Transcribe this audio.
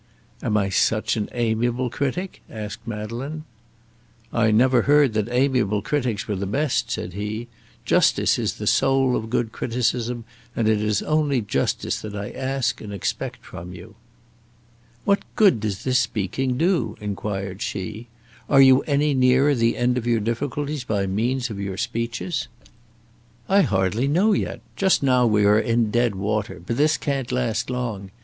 "Am I such an amiable critic?" asked Madeleine. "I never heard that amiable critics were the best," said he; "justice is the soul of good criticism, and it is only justice that I ask and expect from you." "What good does this speaking do?" inquired she. "Are you any nearer the end of your difficulties by means of your speeches?" "I hardly know yet. Just now we are in dead water; but this can't last long.